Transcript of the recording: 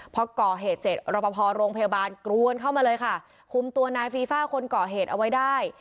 พอก่อเหตุเสร็จรบพอโรงพยาบาลกรวนเข้ามาเลยค่ะคุมตัวนายฟีฟ่าคนก่อเหตุเอาไว้ได้